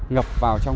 ngập vào trong